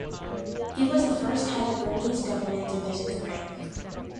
He was the first head of Burmese government to visit the grave.